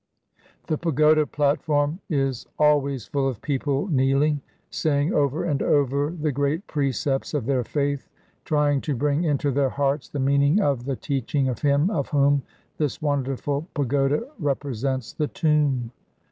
The pagoda platform is always full of people kneeling, saying over and over the great precepts of their faith, trying to bring into their hearts the meaning of the teaching of him of whom this wonderful pagoda represents the tomb.